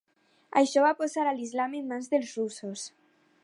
Això va posar a Islam en mans dels russos.